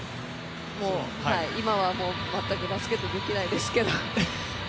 今はもう全くバスケットできないですけど。